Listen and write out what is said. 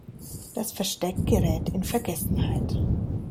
Das Versteck gerät in Vergessenheit.